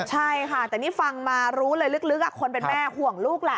ใช่ค่ะแต่นี่ฟังมารู้เลยลึกคนเป็นแม่ห่วงลูกแหละ